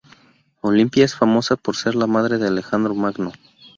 Olimpia es famosa por ser la madre de Alejandro Magno.